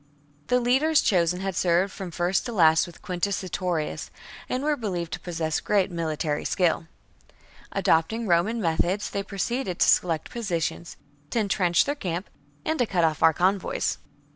The leaders chosen had served from first to last with Quintus Sertorius,^ and were believed to possess great military skill. Adopting Roman methods, they proceeded to select positions, to entrench their camp, and to cut off our convoys.